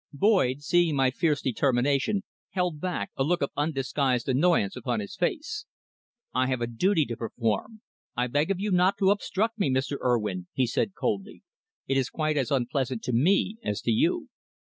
Boyd, seeing my fierce determination, held back, a look of undisguised annoyance upon his face. "I have a duty to perform. I beg of you not to obstruct me, Mr. Urwin," he said coldly. "It is quite as unpleasant to me as to you."